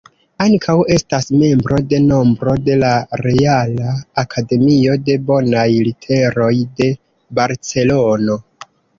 Ankaŭ estas membro de nombro de la Reala Akademio de Bonaj Literoj de Barcelono.